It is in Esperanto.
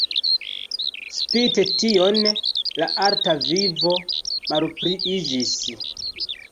Spite tion la arta vivo malpliiĝis.